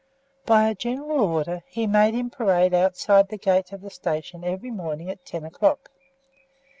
By a general order he made him parade outside the gate of the station every morning at ten o'clock.